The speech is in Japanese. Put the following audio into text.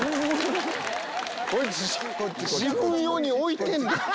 こいつ自分用に置いてんねん。